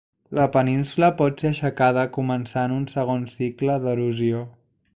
La península pot ser aixecada començant un segon cicle d'erosió.